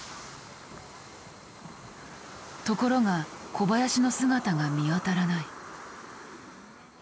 ところが小林の姿が見当たらない。